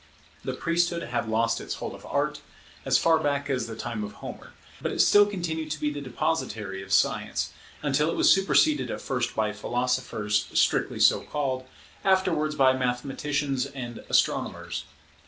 The priesthood had lost its hold of Art, as far back as the time of Homer: but it still continued to be the depositary of science, until it was superseded at first by philosophers strictly so called, afterwards by mathematicians and astronomers.